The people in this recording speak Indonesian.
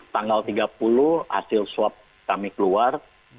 tanggal tiga puluh hasil swab kami keluar